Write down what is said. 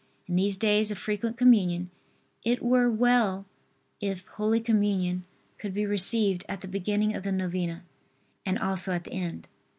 In these days of frequent Communion, it were well if Holy Communion could be received at the beginning of the novena and also at the end.